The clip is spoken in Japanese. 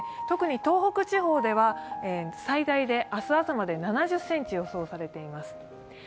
特に東北地方では最大で明日朝までに７０ｃｍが予想されています。